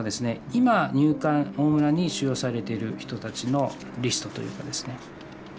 今入管大村に収容されてる人たちのリストというかですね。